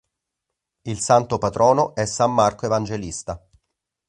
Il santo patrono è San Marco evangelista.